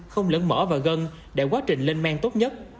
không lẫn mỡ và gân để quá trình lên men tốt nhất